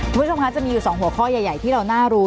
คุณผู้ชมคะจะมีอยู่๒หัวข้อใหญ่ที่เราน่ารู้